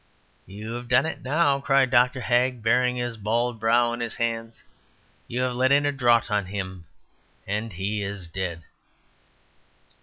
"You have done it, now!" cried Dr. Hagg, burying his bald brow in his hands. "You have let in a draught on him; and he is dead."